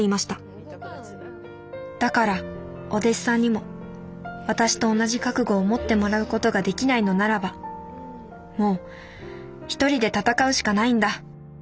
だからお弟子さんにも私と同じ覚悟を持ってもらうことができないのならばもう１人で闘うしかないんだ。